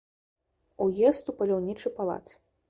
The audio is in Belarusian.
Уезд у паляўнічы палац.